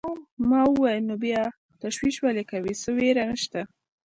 ما وویل: نو بیا تشویش ولې کوې، څه وېره نشته.